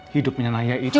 hidupnya naya itu